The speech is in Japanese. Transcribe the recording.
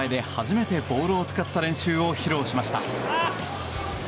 今日はファンの前で初めてボールを使った練習を披露しました。